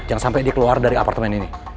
jangan sampai dia keluar dari apartemen ini